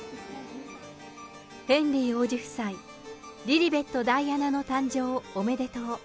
ヘンリー王子夫妻、リリベット・ダイアナの誕生おめでとう。